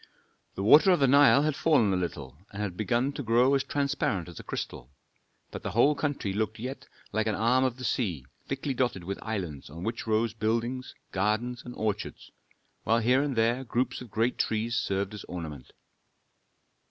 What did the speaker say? The water of the Nile had fallen a little, and had begun to grow as transparent as a crystal. But the whole country looked yet like an arm of the sea thickly dotted with islands on which rose buildings, gardens, and orchards, while here and there groups of great trees served as ornament.